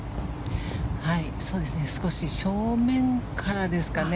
少し正面からですかね。